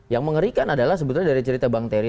yang mengerikan adalah sebetulnya dari cerita bang terry